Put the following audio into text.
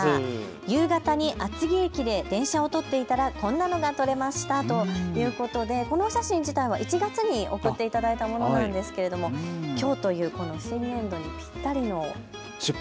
夕方に厚木駅で電車を撮っていたらこんなのが撮れましたということで、このお写真自体は１月に送っていただいたものなんですけどもきょうという新年度にぴったりの出発。